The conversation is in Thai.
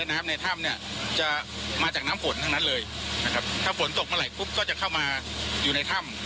และในถ้ำเนี่ยจะมาจากน้ำห่วงต่างเลยนะครับถ้าฝนตกเมื่อไหร่ก็จะเข้ามาอยู่ในถ้ำ